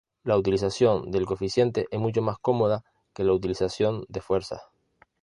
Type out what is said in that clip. La utilización del coeficiente es mucho más cómoda que la utilización de fuerzas.